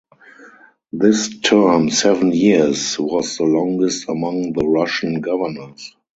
This term (seven years) was the longest among the Russian governors.